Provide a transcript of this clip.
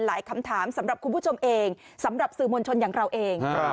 คำถามสำหรับคุณผู้ชมเองสำหรับสื่อมวลชนอย่างเราเอง